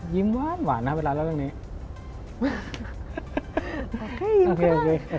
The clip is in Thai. ยิ้มหวานนะเวลาเล่าเรื่องนี้